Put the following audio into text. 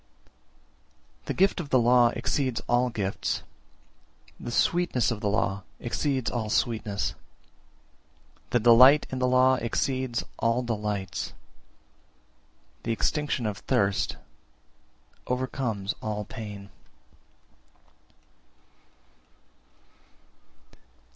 354. The gift of the law exceeds all gifts; the sweetness of the law exceeds all sweetness; the delight in the law exceeds all delights; the extinction of thirst overcomes all pain.